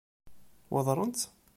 Weddṛent-t?